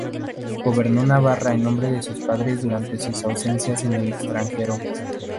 Gobernó Navarra en nombre de sus padres durante sus ausencias en el extranjero.